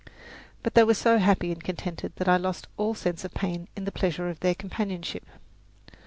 But they were so happy and contented that I lost all sense of pain in the pleasure of their companionship.